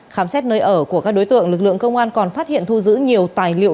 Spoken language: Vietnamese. khám xét nơi ở của các đối tượng lực lượng công an còn phát hiện thu giữ nhiều tài liệu